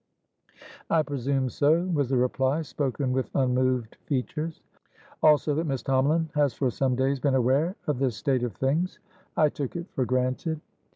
"I presumed so," was the reply, spoken with unmoved features. "Also, that Miss Tomalin has for some days been aware of this state of things." "I took it for granted."